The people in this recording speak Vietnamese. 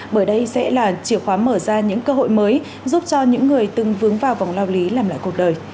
bởi đây sẽ là chìa khóa mở ra những cơ hội mới giúp cho những người từng vướng vào vòng lao lý làm lại cuộc đời